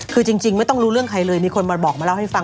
คือจริงไม่ต้องรู้เรื่องใครเลยมีคนมาบอกมาเล่าให้ฟัง